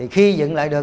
khi dựng lại được